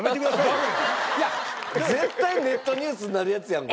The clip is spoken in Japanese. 絶対ネットニュースになるやつやん